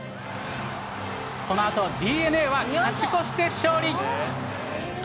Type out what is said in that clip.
このあとＤｅＮＡは勝ち越して勝利。